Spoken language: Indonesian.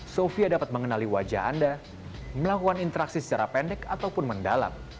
sofia dapat mengenali wajah anda melakukan interaksi secara pendek ataupun mendalam